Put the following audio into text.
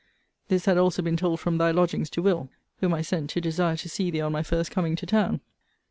This had also been told from thy lodgings to Will. whom I sent to desire to see thee on my first coming to town.